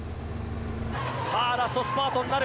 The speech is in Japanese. さあラストスパートになる。